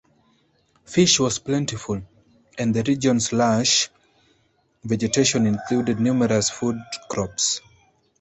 Fish was plentiful, and the region's lush vegetation included numerous food crops.